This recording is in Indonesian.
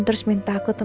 perlu lev pablo ya